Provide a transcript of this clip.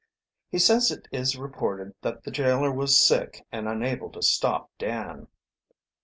"He says it is reported that the jailer was sick and unable to stop Dan."